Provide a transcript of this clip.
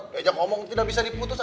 dia juga tidak bisa diputus